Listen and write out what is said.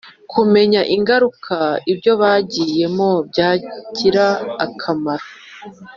kumenya ingaruka ibyo bagiyemo byagira akamaro